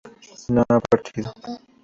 no ha partido